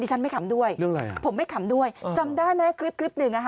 ดิฉันไม่คำด้วยผมไม่คำด้วยจำได้ไหมคลิปหนึ่ง